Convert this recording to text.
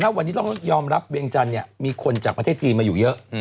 วันนี้ต้องยอมรับเวียงจันทร์มีคนจากประเทศจีนมาอยู่เยอะ